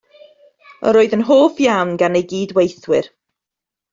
Yr oedd yn hoff iawn gan ei gydweithwyr.